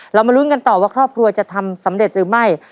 มาลุ้นกันต่อว่าครอบครัวจะทำสำเร็จหรือไม่